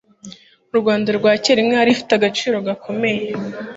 Mu Rwanda rwa kera inka yari ifite agaciro gakomeye